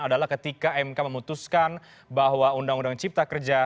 adalah ketika mk memutuskan bahwa undang undang cipta kerja